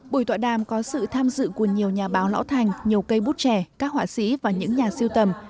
buổi tọa đàm có sự tham dự của nhiều nhà báo lõ thành nhiều cây bút trẻ các họa sĩ và những nhà siêu tầm